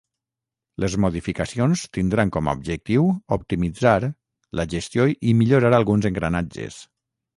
Les modificacions tindran com a objectiu ‘optimitzar’ la gestió i ‘millorar alguns engranatges’.